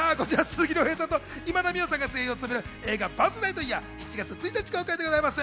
鈴木亮平さんと今田美桜さんが声優を務める映画『バズ・ライトイヤー』７月１日公開です。